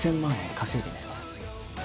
稼いでみせます。